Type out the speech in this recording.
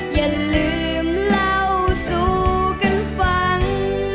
อย่าลืมเล่าสู่กันฟัง